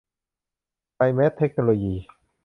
ไซแมท เทคโนโลยี